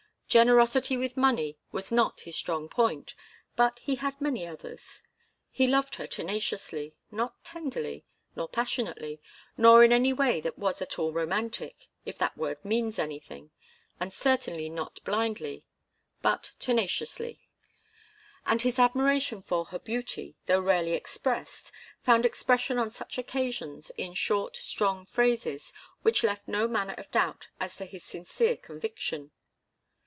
Generosity with money was not his strong point, but he had many others. He loved her tenaciously, not tenderly, nor passionately, nor in any way that was at all romantic if that word means anything and certainly not blindly, but tenaciously; and his admiration for her beauty, though rarely expressed, found expression on such occasions in short, strong phrases which left no manner of doubt as to his sincere conviction.